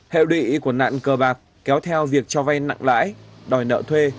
hệ lụy của nạn cờ bạc kéo theo việc cho vay nặng lãi đòi nợ thuê